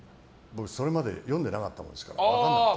それまで読んでなかったので分からなくて。